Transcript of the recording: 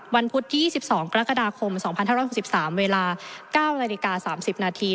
พุธที่๒๒กรกฎาคม๒๕๖๓เวลา๙นาฬิกา๓๐นาที